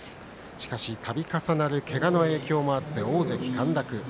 しかし、度重なるけがの影響もあって大関陥落。